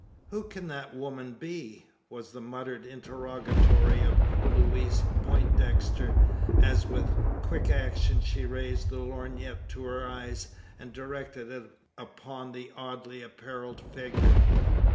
"Who can that woman be?" was the muttered interrogatory of Louise Poindexter, as with quick action she raised the lorgnette to her eyes, and directed it upon the oddly apparelled figure.